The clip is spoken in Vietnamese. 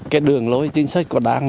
cái đường lối chính sách của đảng